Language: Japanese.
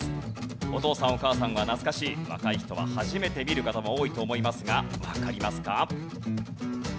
お父さんお母さんは懐かしい若い人は初めて見る方も多いと思いますがわかりますか？